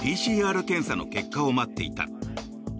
ＰＣＲ検査の結果を待っていた。